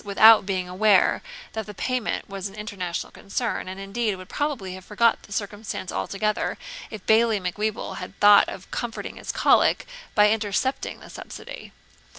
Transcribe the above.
without being aware that the payment was an international concern, and, indeed, would probably have forgot the circumstance altogether, if Bailie Macwheeble had thought of comforting his cholic by intercepting the subsidy.